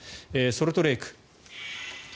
ソルトレーク。